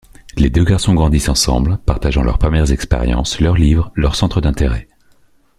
Les deux garçons grandissent ensemble, partageant leurs premières expériences, leurs livres, leurs centres d'intérêts.